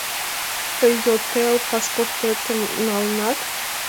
— Тый йотэл паспортетым налынат?